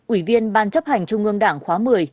ủy viên ban chấp hành trung ương đảng khóa một mươi